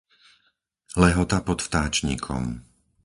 Lehota pod Vtáčnikom